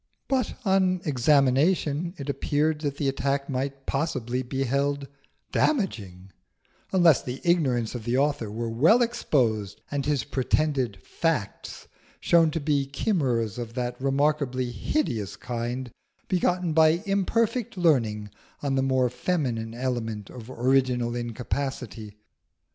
But on examination it appeared that the attack might possibly be held damaging, unless the ignorance of the author were well exposed and his pretended facts shown to be chimeras of that remarkably hideous kind begotten by imperfect learning on the more feminine element of original incapacity.